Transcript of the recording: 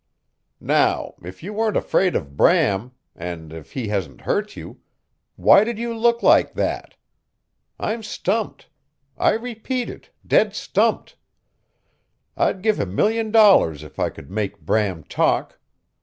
Now, if you weren't afraid of Bram, and if he hasn't hurt you, why did you look like that? I'm stumped. I repeat it dead stumped. I'd give a million dollars if I could make Bram talk.